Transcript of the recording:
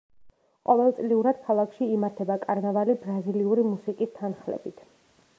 ყოველწლიურად, ქალაქში იმართება კარნავალი ბრაზილიური მუსიკის თანხლებით.